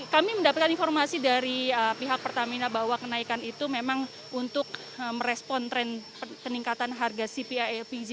kami mendapatkan informasi dari pihak pertamina bahwa kenaikan itu memang untuk merespon tren peningkatan harga cpi lpg